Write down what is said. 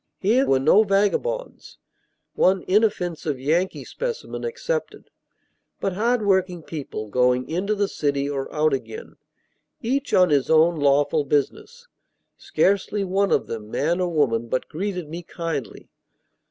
Here were no vagabonds (one inoffensive Yankee specimen excepted), but hard working people going into the city or out again, each on his own lawful business. Scarcely one of them, man or woman, but greeted me kindly.